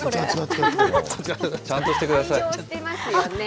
ちゃんとしてください。